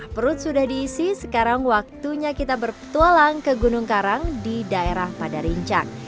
nah perut sudah diisi sekarang waktunya kita berpetualang ke gunung karang di daerah padarincang